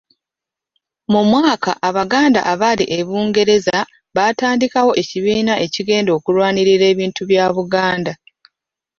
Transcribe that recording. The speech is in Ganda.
Mu mwaka abaganda abaali e bungereza baatandikawo ekibiina ekigenda okulwanirira ebintu bya Buganda.